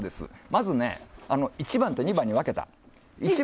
まず１番と２番に分けました。